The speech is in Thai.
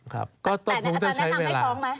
ครับแต่นายองแนะนำไว้พร้อมไหม